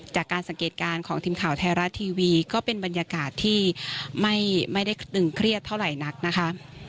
จากการสังเกตการณ์ของทีมข่าวไทยรัฐทีวีก็เป็นบรรยากาศที่ไม่ได้ตึงเครียดเท่าไหร่นักนะคะ